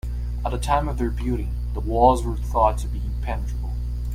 At the time of their building, the walls were thought to be impenetrable.